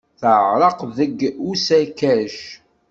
Teɛreq deg usakac.